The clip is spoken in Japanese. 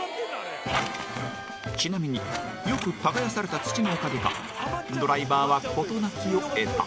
ちなみによく耕された土のおかげかドライバーは事なきを得た。